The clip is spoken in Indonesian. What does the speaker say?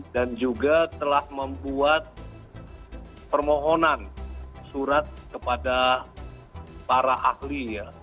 dan juga telah membuat permohonan surat kepada para ahli